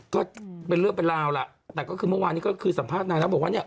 ก็เป็นเรื่องเป็นราวล่ะแต่ก็คือเมื่อวานนี้ก็คือสัมภาษณ์นายแล้วบอกว่าเนี่ย